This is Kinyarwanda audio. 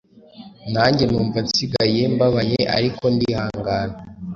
nanjye numva nsigaye mbabaye ariko ndihangana.